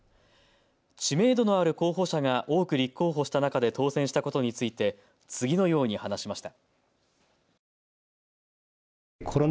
知名度のある候補者が多く立候補した中で当選したことについて次のように話しました。